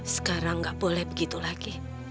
sekarang nggak boleh begitu lagi